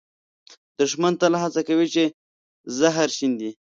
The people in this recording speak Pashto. دښمن تل هڅه کوي چې زهر شیندي